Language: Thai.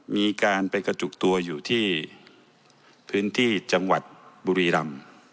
มีการไปกระจุกตัวอยู่ที่พื้นที่จังหวัดบุรีรำ